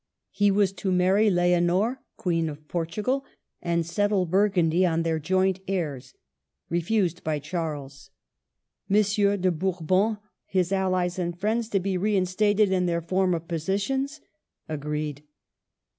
He was to marry Leonor, Queen of Portugal, and settle Burgundy on their joint heirs. Refused by Charles. M. de Bourbon, his allies and friends, to be reinstated in their former positions. Agreed.